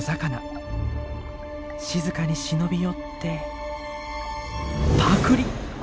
静かに忍び寄ってパクリ！